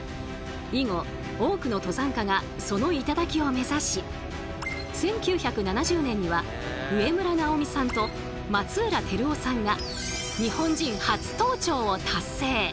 以後多くの登山家がその頂を目指し１９７０年には植村直己さんと松浦輝夫さんが日本人初登頂を達成！